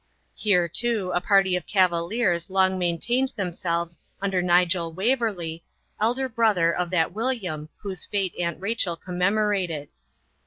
Here, too, a party of Cavaliers long maintained themselves under Nigel Waverley, elder brother of that William whose fate Aunt Rachel commemorated.